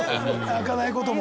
開かないことも。